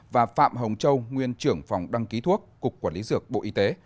và phạm hồng châu nguyên trưởng phòng đăng ký thuốc cục quản lý dược bộ y tế